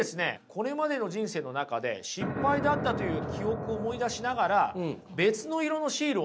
これまでの人生の中で失敗だったという記憶を思い出しながら別の色のシールをね